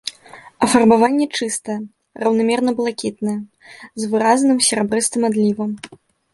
Афарбаванне чыстае, раўнамерна-блакітнае, з выразным серабрыстым адлівам.